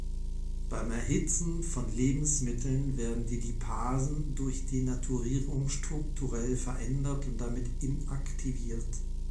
Beim Erhitzen von Lebensmitteln werden die Lipasen durch Denaturierung strukturell verändert und damit inaktiviert.